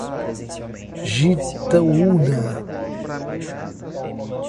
Jitaúna